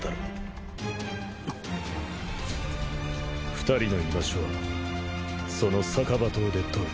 ２人の居場所はその逆刃刀で問え。